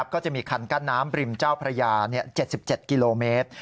ก็จะมีคันกั้นน้ำบริมเจ้าพระยา๗๗กิโลเมตร